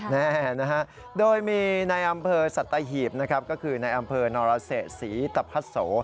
แน่นะฮะโดยมีในอำเภอสัตหีบนะครับก็คือในอำเภอนรเศษศรีตะพัสโส